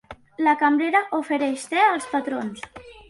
La cambrera ofereix te als patrons.